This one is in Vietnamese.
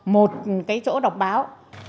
một cái chỗ đọc báo